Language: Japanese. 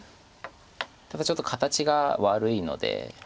ただちょっと形が悪いので。